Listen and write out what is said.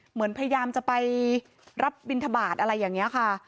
เหมือนพยายามจะไปรับบินทบาทอะไรอย่างนี้ค่ะ